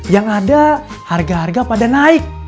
yang ada harga harga pada naik